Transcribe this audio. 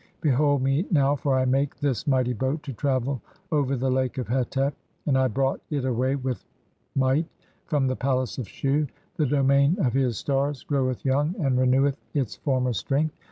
Behold me (6) now, for I make this "mighty boat to travel over the Lake of Hetep, and I brought "it away with might from the palace of Shu ; the domain of "his stars groweth young and reneweth its former strength.